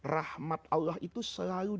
rahmat allah itu selalu